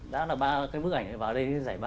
đã là ba cái bức ảnh vào đây giải ba